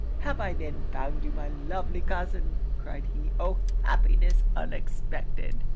'Have I then found you, my lovely cousin?' cried he. 'Oh! happiness unexpected!'